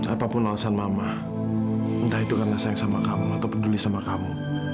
apapun alasan mama entah itu karena sayang sama kamu atau peduli sama kamu